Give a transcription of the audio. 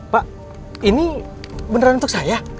pak ini beneran untuk saya